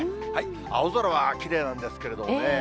青空はきれいなんですけれどもね。